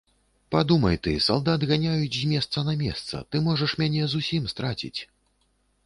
Падумай ты, салдат ганяюць з месца на месца, ты можаш мяне зусім страціць.